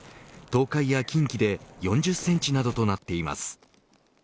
東海や近畿で４０センチなどとなっています。